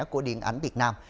của điện ảnh việt nam